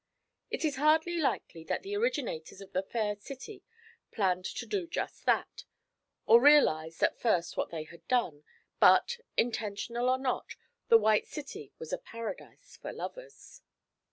It is hardly likely that the originators of the Fair City planned to do just that, or realized at first what they had done, but intentional or not, the White City was a paradise for lovers.